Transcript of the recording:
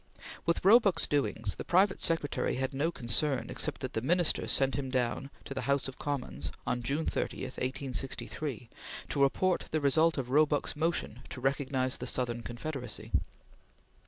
With Roebuck's doings, the private secretary had no concern except that the Minister sent him down to the House of Commons on June 30, 1863, to report the result of Roebuck's motion to recognize the Southern Confederacy.